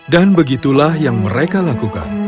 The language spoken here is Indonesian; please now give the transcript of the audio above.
dan begitulah yang mereka lakukan